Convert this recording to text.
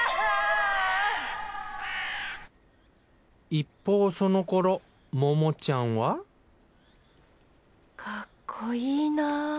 一方そのころ桃ちゃんはかっこいいな。